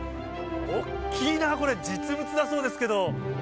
大きいな、これ、実物だそうですけど。